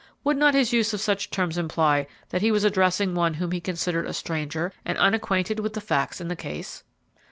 Would not his use of such terms imply that he was addressing one whom he considered a stranger and unacquainted with the facts in the case?"